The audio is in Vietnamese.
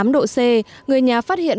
một mươi tám độ c người nhà phát hiện